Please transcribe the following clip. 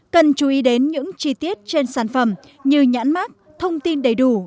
cần chú ý đến những chi tiết trên sản phẩm như nhãn mát thông tin đầy đủ